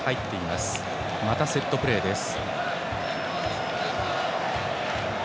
またセットプレーです。